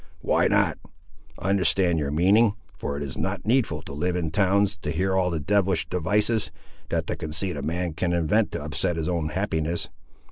"Why not? I understand your meaning; for it is not needful to live in towns to hear all the devilish devices, that the conceit of man can invent to upset his own happiness.